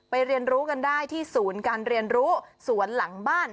เรียนรู้กันได้ที่ศูนย์การเรียนรู้สวนหลังบ้าน